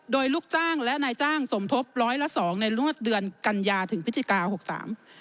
โดยลูกจ้างและนายจ้างสมทบร้อยละสองในรวดเดือนกันยาถึงพฤศจิกาหกสาม